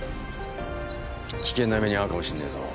危険な目にあうかもしんねえぞ。